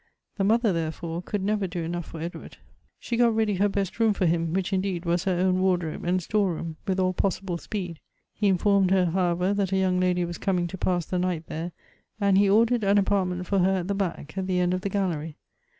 The mother, there fore, could never do enough for Edward. She got ready her best room for him, which indeed was her own ward robe and store room, with all possible speed. He in formed her, however, that a young lady was coming to pass the night there, and he ordered an apartment for her at the back, at the end of the gallery.